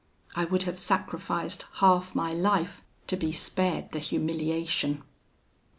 I would have sacrificed half my life to be spared the humiliation.